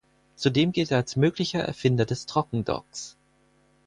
Zudem gilt er als möglicher Erfinder des Trockendocks.